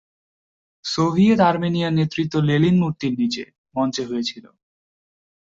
Soviet আর্মেনিয়ার নেতৃত্ব Lenin মূর্তির নিচে, মঞ্চে হয়েছিল।